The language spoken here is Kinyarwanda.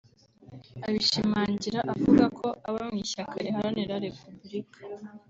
Abishimangira avuga ko abo mu ishyaka riharanira repubulika